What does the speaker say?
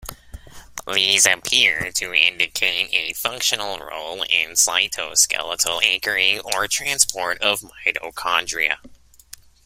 These appear to indicate a functional role in cytoskeletal anchoring or transport of mitochondria.